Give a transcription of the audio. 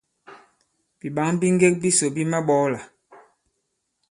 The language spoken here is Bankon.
Bìɓǎŋ bi ŋgek bisò bi maɓɔɔlà.